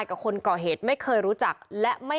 พวกมันต้องกินกันพี่